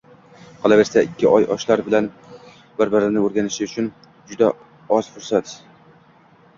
Qolaversa, ikki oy yoshlar bir-birini o`rganishi uchun juda oz fursat